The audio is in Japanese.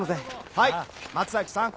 はい松崎さん。